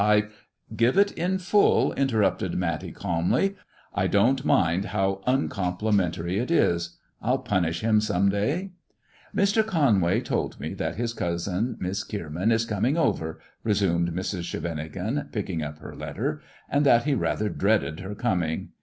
I " "Give it in full," interrupted Matty, calmly. "I don't mind how uncomplimentary it is. I'll punish him some day." "* Mr. Conway told me that his cousin. Miss Kierman, was coming over,' " resumed Mrs. Scheveningen, picking up her letter, "* and that he rather dreaded her coming.